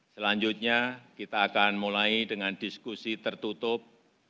selanjutnya kita akan mulai dengan diskusi tertutup